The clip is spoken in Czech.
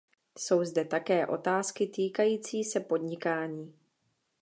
Jsou zde také otázky týkající se podnikání.